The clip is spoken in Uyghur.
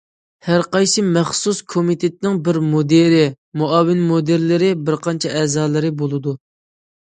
ھەر قايسى مەخسۇس كومىتېتنىڭ بىر مۇدىرى، مۇئاۋىن مۇدىرلىرى، بىر قانچە ئەزالىرى بولىدۇ.